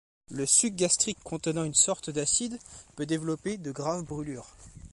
Le suc gastrique contenant une sorte d'acide peut développer de grave brulures.